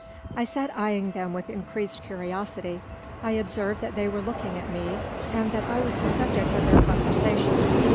I sat eyeing them with increased curiosity. I observed that they were looking at me, and that I was the subject of their conversation.